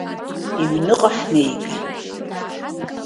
Иҩныҟа ҳнеигеит.